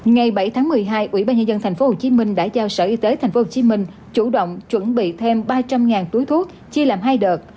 ngày bảy tháng một mươi hai ubnd tp hcm đã giao sở y tế tp hcm chủ động chuẩn bị thêm ba trăm linh túi thuốc chia làm hai đợt